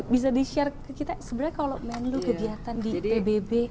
bisa di share ke kita sebenarnya kalau menlu kegiatan di pbb